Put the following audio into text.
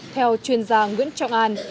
theo chuyên gia nguyễn trọng an